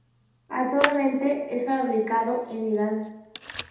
Actualmente, es fabricado en Irán